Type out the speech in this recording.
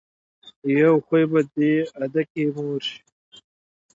يو خوي به دې ادکې مور شي.